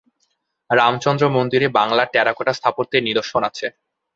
রামচন্দ্র মন্দিরে বাংলার টেরাকোটা স্থাপত্যের নিদর্শন আছে।